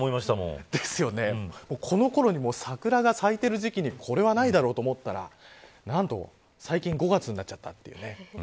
ほんとに４月と桜が咲いている時期にこれはないだろうと思ったら何と、最近５月になっちゃったっていうね。